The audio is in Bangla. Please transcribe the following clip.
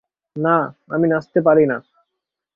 না, আমি নাচতে পারি না।